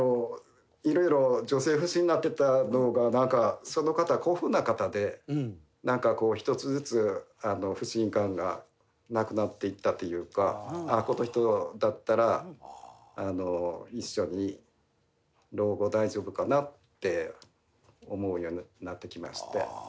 色々女性不信になってたのがなんかその方古風な方で１つずつ不信感がなくなっていったというかこの人だったら一緒に老後大丈夫かなって思うようになってきまして。